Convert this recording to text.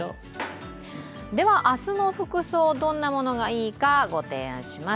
明日の服装どんなものがいいかご提案します。